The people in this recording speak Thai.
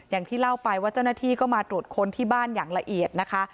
อย่างที่เล่าไปว่าเจ้าหน้าที่ก็มาตรวจค้นที่บ้านอย่างละเอียดนะคะ